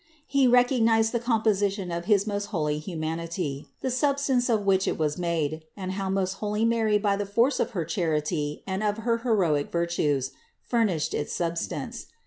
He recognized the composi tion of his most holy humanity, the substance of which it was made, and how most holy Mary by the force of her charity and of her heroic virtues, furnished its sub stance.